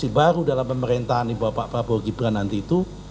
masih baru dalam pemerintahan bapak prabowo gibran nanti itu